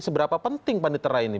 seberapa penting panitera ini